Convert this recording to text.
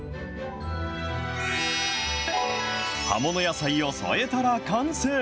葉物野菜を添えたら完成。